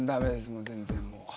もう全然もう。